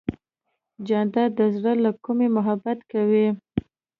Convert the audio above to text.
جانداد د زړه له کومې محبت کوي.